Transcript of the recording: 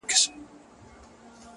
ستا د شعر دنيا يې خوښـه سـوېده ـ